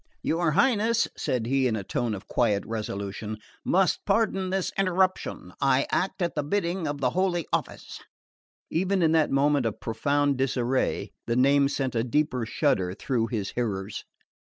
"Your Highness," said he in a tone of quiet resolution, "must pardon this interruption; I act at the bidding of the Holy Office." Even in that moment of profound disarray the name sent a deeper shudder through his hearers.